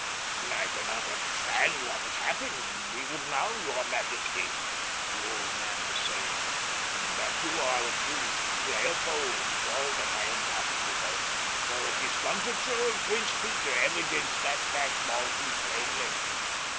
"I cannot understand what has happened, even now, your majesty," the old man was saying. "That you are the true Leopold is all that I am positive of, for the discomfiture of Prince Peter evidenced that fact all too plainly.